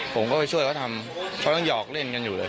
ผมก็ไปช่วยเขาทำเขายังหอกเล่นกันอยู่เลย